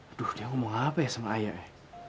aduh dia ngomong apa ya sama ayah ya